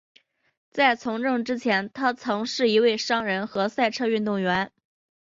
在从政之前他曾是一位商人和赛车运动员。